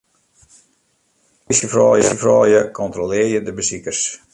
Twa plysjefroulju kontrolearje de besikers.